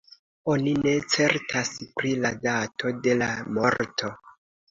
Oni ne certas pri la dato de la morto.